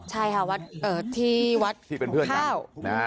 ใช่ค่ะที่วัดของข้าว